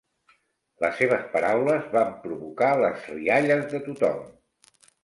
Les seves paraules van provocar les rialles de tothom.